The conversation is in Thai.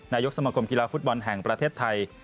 นายกสมคมกีฬาฟุตบอลแห่งประเทศไทย